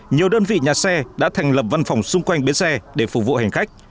nhiều đơn vị nhà xe đã thành lập văn phòng xung quanh biến xe để phục vụ hành khách